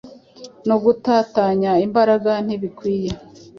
ni ugutatanya imbaraga, ntibikwiye.